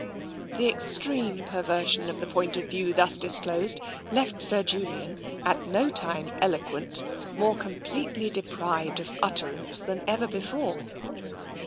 ..." The extreme perversion of the point of view thus disclosed left Sir Julian, at no time eloquent, more completely deprived of utterance than ever before.